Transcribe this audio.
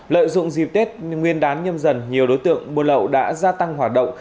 lợi dụng dịp tết nguyên đán nhâm dần nhiều đối tượng buôn lậu đã gia tăng hoạt động